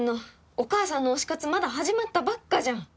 お母さんの推し活まだ始まったばっかじゃん！